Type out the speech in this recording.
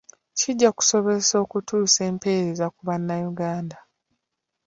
Kijja kusobozesa okutuusa empeereza ku bannayuganda.